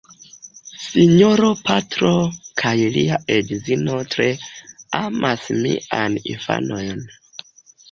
Sinjoro Petro kaj lia edzino tre amas miajn infanojn.